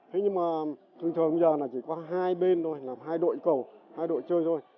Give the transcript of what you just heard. thế nhưng mà thường thường bây giờ chỉ có hai bên thôi hai đội cầu hai đội chơi thôi